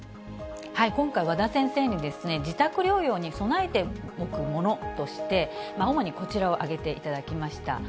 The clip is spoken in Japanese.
今回、和田先生に自宅療養に備えておくものとして、主にこちらを挙げていただきました。